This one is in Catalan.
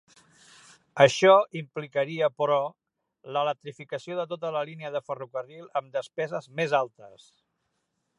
Això implicaria, però, l'electrificació de tota la línia de ferrocarril, amb despeses més altes.